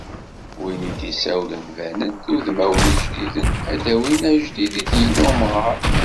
Wid i d-issawlen, banen d udmawen ijdiden, ad d-awin ajdid i d-yenna umɣar.